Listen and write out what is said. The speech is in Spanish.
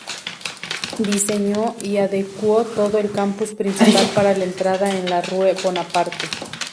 Diseñó y adecuó todo el campus principal para la entrada en la Rue Bonaparte.